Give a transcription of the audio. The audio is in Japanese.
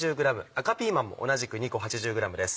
赤ピーマンも同じく２個８０ｇです。